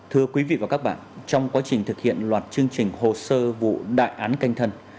thưa quý vị và các bạn trong quá trình thực hiện loạt chương trình hồ sơ vụ đại án canh thân